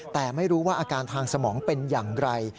แต่ไม่รู้ว่าอาการทางสมองเป็นอย่างไร